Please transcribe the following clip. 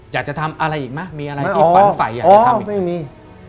อยากจะทำอะไรอีกไหมมีอะไรที่ฝันไฝอยากจะทำอีกก็มี